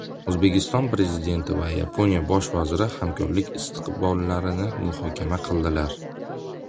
O‘zbekiston Prezidenti va Yaponiya Bosh vaziri hamkorlik istiqbollarini muhokama qildilar